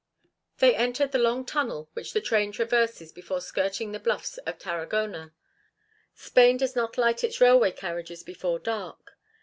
They entered the long tunnel which the train traverses before skirting the bluffs of Tarragona. Spain does not light its railway carriages before dark.